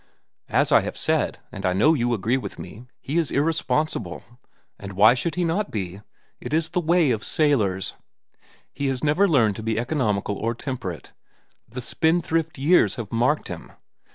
As I have said, and I know you agree with me, he is irresponsible. And why should he not be? It is the way of sailors. He has never learned to be economical or temperate. The spendthrift years have marked him.